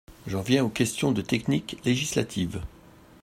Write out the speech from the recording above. J’en viens aux questions de technique législative.